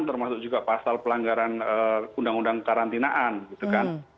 termasuk juga pasal pelanggaran undang undang karantinaan gitu kan